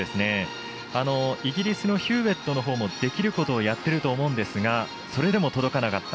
イギリスのヒューウェットのほうもできることをやってると思うんですがそれでも届かなかった。